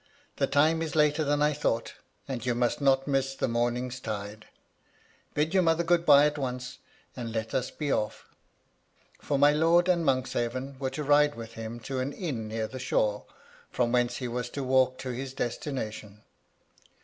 *The time is later than I thought, and you must not miss the morn ing's tide. Bid your mother good bye at once, and let us be off.' For my lord and Monkshaven were to ride with him to an inn near the shore, from whence he was to walk to his destination.